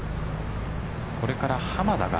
これから濱田が。